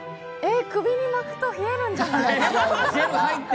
首に巻くと冷えるんじゃないですか？